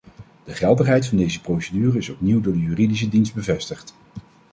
De geldigheid van deze procedure is opnieuw door de juridische dienst bevestigd.